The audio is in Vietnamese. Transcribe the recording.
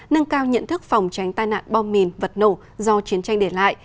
nâng cao nhận thức phòng tránh tai nạn bom mìn vật nổ do chiến tranh để lại